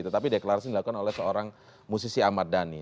tetapi deklarasi dilakukan oleh seorang musisi ahmad dhani